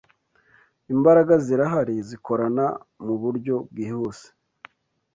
Imbaraga zirahari Zikorana muburyo bwihuse